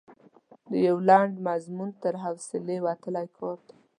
د یو لنډ مضمون تر حوصلې وتلی کار دی.